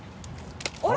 あれ？